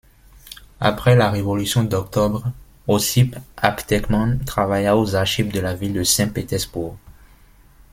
Après la Révolution d'Octobre, Ossip Aptekman travailla aux archives de la ville de Saint-Petersbourg.